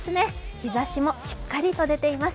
日ざしもしっかりと出ています。